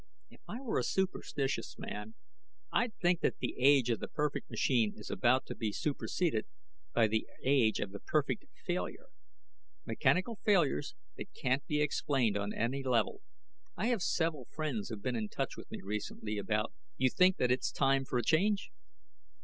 If I were a superstitious man, I'd think that the age of the perfect machine is about to be superseded by the age of the perfect failure mechanical failures that can't be explained on any level. I have several friends who've been in touch with me recently about " "You think that it's time for a change?"